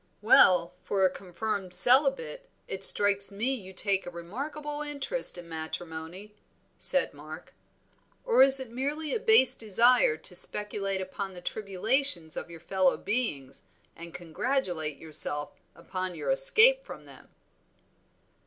"Well, for a confirmed celibate, it strikes me you take a remarkable interest in matrimony," said Mark. "Or is it merely a base desire to speculate upon the tribulations of your fellow beings, and congratulate yourself upon your escape from them?"